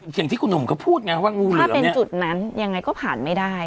อย่างที่คุณหนุ่มเขาพูดไงว่างูถ้าเป็นจุดนั้นยังไงก็ผ่านไม่ได้